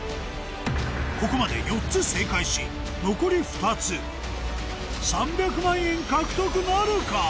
ここまで４つ正解し残り２つ３００万円獲得なるか？